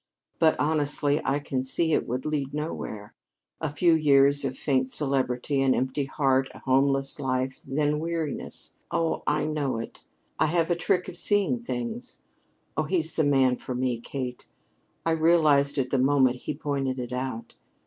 But, honestly, I can see it would lead nowhere. A few years of faint celebrity, an empty heart, a homeless life then weariness. Oh, I know it. I have a trick of seeing things. Oh, he's the man for me, Kate. I realized it the moment he pointed it out.